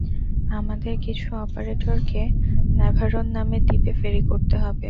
আমাদের কিছু অপারেটরকে ন্যাভারোন নামের দ্বীপে ফেরি করতে হবে।